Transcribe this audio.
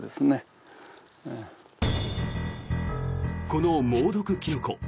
この猛毒キノコ